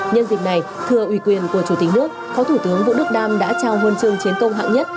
nhân dịch này thưa ủy quyền của chủ tịch nước khó thủ tướng vũ đức đam đã trao huân chương chiến công hạng nhất